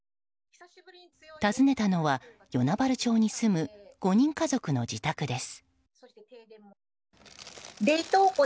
訪ねたのは、与那原町に住む５人家族の自宅です。